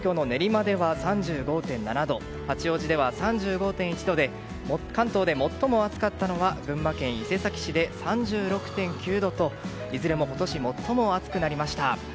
東京の練馬では３５．７度八王子では３５．１度で関東で最も暑かったのは群馬県伊勢崎市で３６．９度といずれも今年最も暑くなりました。